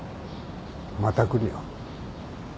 また来るよ。